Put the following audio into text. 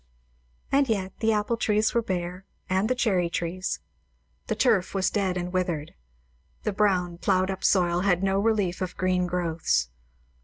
And yet, the apple trees were bare, and the cherry trees; the turf was dead and withered; the brown ploughed up soil had no relief of green growths.